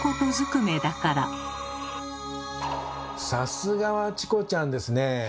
さすがはチコちゃんですね。